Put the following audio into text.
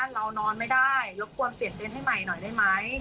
เรานอนไม่ได้รบกวนเปลี่ยนให้ใหม่หน่อยได้ไหม